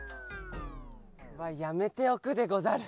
はやめておくでござる。